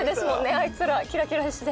あいつらキラキラして。